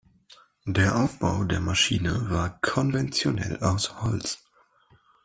Der Aufbau der Maschine war konventionell aus Holz.